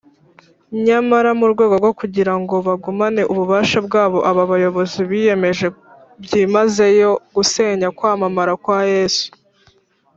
Nyamara mu rwego rwo kugira ngo bagumane ububasha bwabo, aba bayobozi biyemeje byimazeyo gusenya kwamamara kwa Yesu